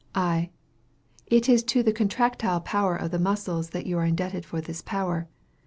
I. It is to the contractile power of the muscles that you are indebted for this power.